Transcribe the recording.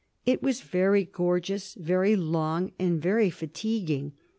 It was very gorgeous, very long, and very fatiguing.